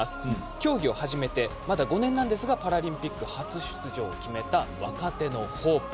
競技を始めてまだ５年なんですがパラリンピック初出場を決めた若手のホープ。